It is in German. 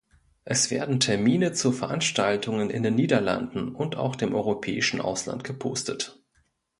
Es werden Termine zu Veranstaltungen in den Niederlanden und auch dem europäischen Ausland gepostet.